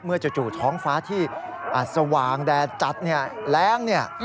เมื่อจู่ท้องฟ้าที่สว่างแดดจัดแรง